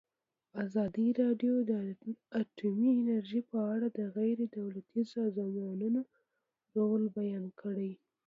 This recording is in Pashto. ازادي راډیو د اټومي انرژي په اړه د غیر دولتي سازمانونو رول بیان کړی.